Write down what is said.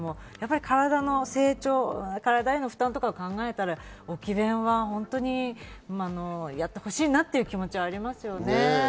体の成長、体への負担とかを考えたら置き勉は本当にやってほしいなという気持ちはありますね。